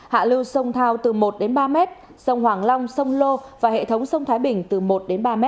hạ lưu sông thao từ một đến ba m sông hoàng long sông lô và hệ thống sông thái bình từ một đến ba m